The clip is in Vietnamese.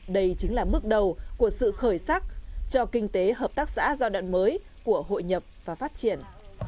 đây chính là bước đầu của sự khởi sắc cho kinh tế hợp tác xã giai đoạn mới của hội nhập và phát triển